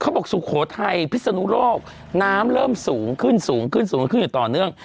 เขาบอกสุโขทัยพิษณุโรคน้ำเริ่มสูงขึ้นอยู่ต่อเนื่อง